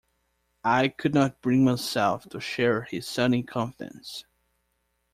I could not bring myself to share his sunny confidence.